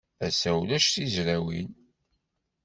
Ass-a, ulac tizrawin.